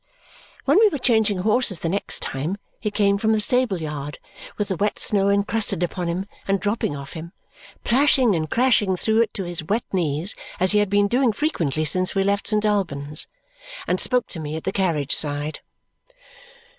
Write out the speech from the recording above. When we were changing horses the next time, he came from the stable yard, with the wet snow encrusted upon him and dropping off him plashing and crashing through it to his wet knees as he had been doing frequently since we left Saint Albans and spoke to me at the carriage side.